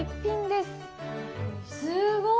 すごい！